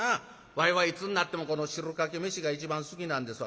わいはいつになってもこの汁かけ飯が一番好きなんですわ。